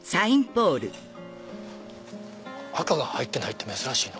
赤が入ってないって珍しいな。